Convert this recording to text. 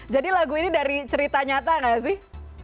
jadi lagu ini dari cerita nyata gak sih